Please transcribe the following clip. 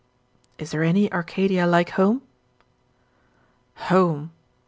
"Is there any Arcadia like home?"